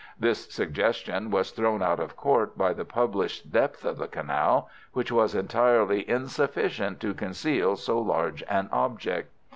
This suggestion was thrown out of court by the published depth of the canal, which was entirely insufficient to conceal so large an object.